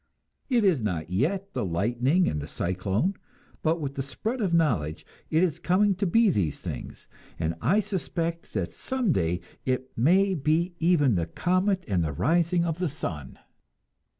It is not yet the lightning and the cyclone, but with the spread of knowledge it is coming to be these things, and I suspect that some day it may be even the comet and the rising of the sun.